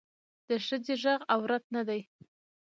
د ښخي غږ عورت نه دی